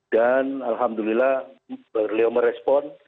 dan alhamdulillah berleomor respon